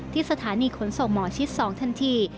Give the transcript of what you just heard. ที่สถานีขนส่งหมอชิด๒ทันที